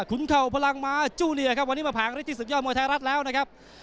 เข่าพลังม้าจูเนียครับวันนี้มาผ่านฤทธิศึกยอดมวยไทยรัฐแล้วนะครับ